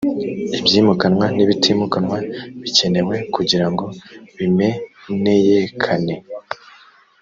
ibyimukanwa n’ibitimukanwa bikenewe kugira ngo bimeneyekane